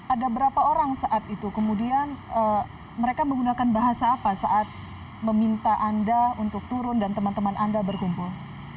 ada berapa orang saat itu kemudian mereka menggunakan bahasa apa saat meminta anda untuk turun dan teman teman anda berkumpul